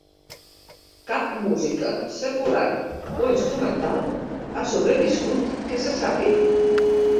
Cap música secular o instrumental ha sobreviscut que se sàpiga.